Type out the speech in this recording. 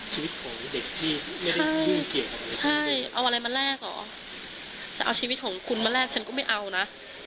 ชีวิตของเด็กที่ไม่ได้ยุ่งเกี่ยวกับเลยใช่เอาอะไรมาแลกเหรอจะเอาชีวิตของคุณมาแลกฉันก็ไม่เอานะ